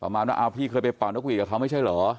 ประมาณว่าอ้าวพี่เคยไปเป่านกหวีดกับเขาไม่ใช่เหรอ